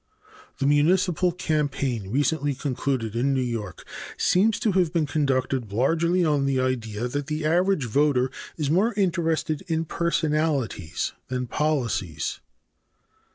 The municipal campaign recently concluded in New York seems to have been conducted largely on the idea that the average voter is more interested in personalities than policies.